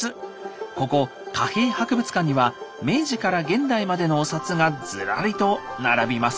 ここ貨幣博物館には明治から現代までのお札がずらりと並びます。